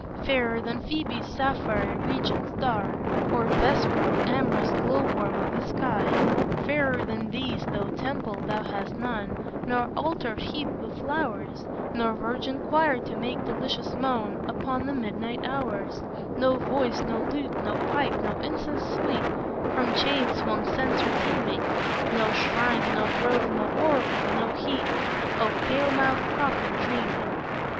Fairer than Phoebe's sapphire regioned star Or Vesper, amorous glow worm of the sky; Fairer than these, though temple thou hast none, Nor altar heaped with flowers; Nor virgin choir to make delicious moan Upon the midnight hours; No voice, no lute, no pipe, no incense sweet, From chain swung censor teeming; No shrine, no grove, no oracle, no heat Of pale mouthed prophet dreaming."